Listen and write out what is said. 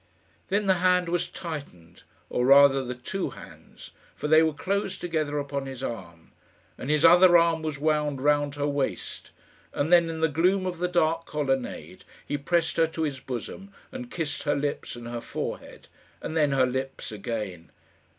Then the hand was tightened, or rather the two hands, for they were closed together upon his arm; and his other arm was wound round her waist; and then, in the gloom of the dark colonnade, he pressed her to his bosom, and kissed her lips and her forehead, and then her lips again.